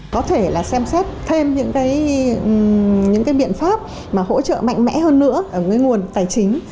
có thể xem xét thêm những biện pháp hỗ trợ mạnh mẽ hơn nữa với nguồn tài chính